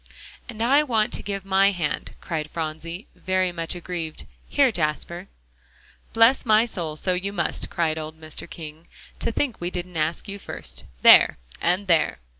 "And I want to give my hand," cried Phronsie, very much aggrieved. "Here, Jasper." "Bless my soul, so you must!" cried old Mr. King; "to think we didn't ask you first. There and there!"